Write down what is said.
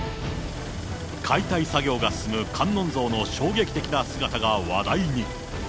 解体作業が進む観音像の衝撃的な姿が話題に。